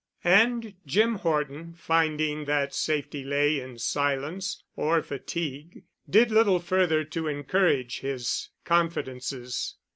And Jim Horton, finding that safety lay in silence or fatigue, did little further to encourage his confidences.